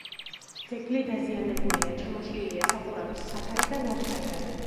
ძეგლი დაზიანებულია: ჩამოშლილია სახურავის საფარი და ლავგარდანი.